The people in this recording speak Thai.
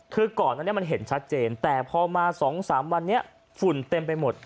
คือก่อนอันนี้มันเห็นชัดเจนแต่พอมา๒๓วันนี้ฝุ่นเต็มไปหมด